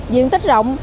diện tích rộng